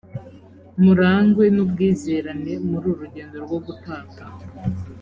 murangwe n ubwizerane muri uru rugendo rwo gutata